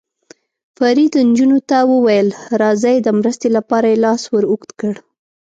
فرید نجونو ته وویل: راځئ، د مرستې لپاره یې لاس ور اوږد کړ.